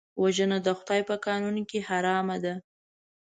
وژنه د خدای په قانون کې حرام ده